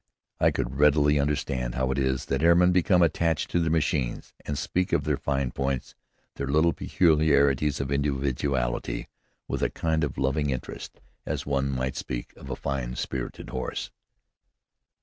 I could readily understand how it is that airmen become attached to their machines and speak of their fine points, their little peculiarities of individuality, with a kind of loving interest, as one might speak of a fine spirited horse.